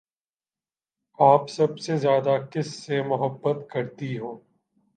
آپ سب سے زیادہ کس سے محبت کرتی ہو؟